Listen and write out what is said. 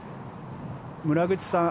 村口さん